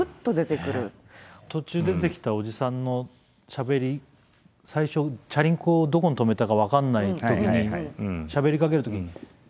途中出てきたおじさんのしゃべり最初チャリンコどこにとめたか分かんない時にしゃべりかける時に「ないんですか？」。